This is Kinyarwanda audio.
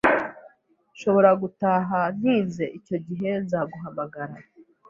Nshobora gutaha ntinze. Icyo gihe, nzaguhamagara.